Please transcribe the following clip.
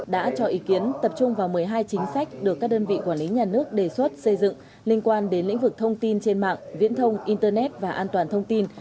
đã cho ý kiến tập trung vào một mươi hai chính sách được các đơn vị quản lý nhà nước đề xuất xây dựng liên quan đến lĩnh vực thông tin trên mạng viễn thông internet và an toàn thông tin